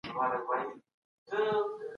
که ښځه باسواده وه، نو هغه خپل اولادونه ښه روزي